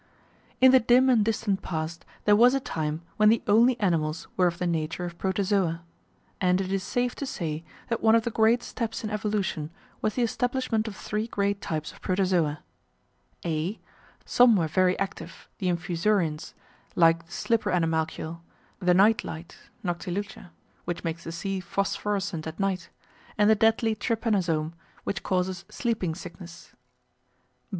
In the dim and distant past there was a time when the only animals were of the nature of Protozoa, and it is safe to say that one of the great steps in evolution was the establishment of three great types of Protozoa: (a) Some were very active, the Infusorians, like the slipper animalcule, the night light (Noctiluca), which makes the seas phosphorescent at night, and the deadly Trypanosome, which causes Sleeping Sickness.